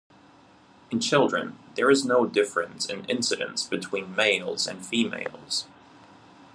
In children, there is no difference in incidence between males and females.